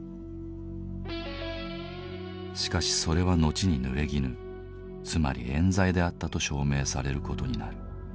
しかしそれは後にぬれぎぬつまり「えん罪」であったと証明される事になる。